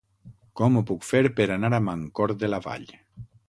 Com ho puc fer per anar a Mancor de la Vall?